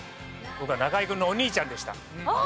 僕は中居君のお兄ちゃんでした。